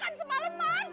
eh apa mau bunjuk